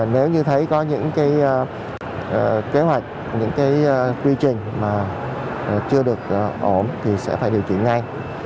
nếu như thấy có những cái kế hoạch những cái quy trình mà chưa được ổn thì sẽ phải điều chỉnh ngay